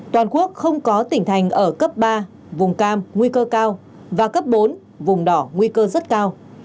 toàn quốc không có tỉnh thành ở cấp ba vùng cam nguy cơ cao và cấp bốn vùng đỏ nguy cơ rất cao